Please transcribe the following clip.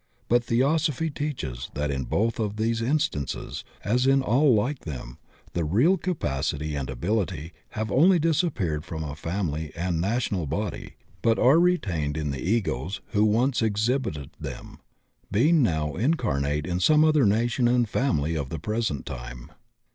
But Theosophy teaches that in both of tiiese in stances — as in all like them — ^the real capacity and ability have only disappeared from a family and na tional body, but are retained in the Egos who once exhibited diem, being now incarnated in some other nation and family of the present time.